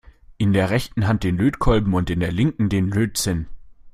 In der rechten Hand den Lötkolben und in der linken den Lötzinn.